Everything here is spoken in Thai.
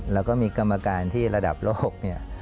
แล้วก็มีกรรมการที่ระดับโลกเนี่ย